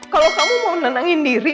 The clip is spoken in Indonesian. kalau kamu mau nenangin diri